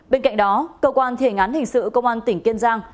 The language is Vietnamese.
bên cạnh đó cơ quan thiền án hình sự công an tỉnh kiên giang